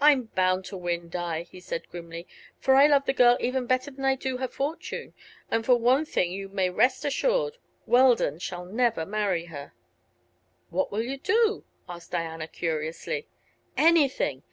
"I'm bound to win, Di," he said grimly, "for I love the girl even better than I do her fortune. And of one thing you may rest assured; Weldon shall never marry her." "What will you do?" asked Diana, curiously. "Anything!